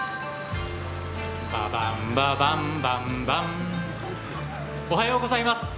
ババンババンバンバンおはようございます。